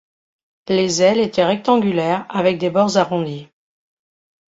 Les ailes étaient rectangulaires avec des bords arrondis.